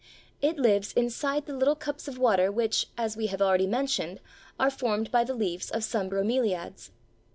It lives inside the little cups of water which, as we have already mentioned, are formed by the leaves of some Bromeliads.